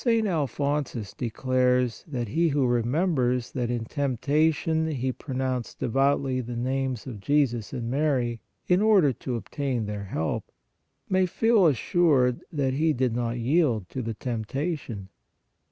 St. Alphonsus declares that he who remembers that in temptation he pro nounced devoutly the names of Jesus and Mary, in order to obtain their help, may feel assured that he did not yield to the temptation.